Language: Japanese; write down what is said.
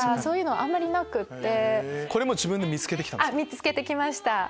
見つけて来ました。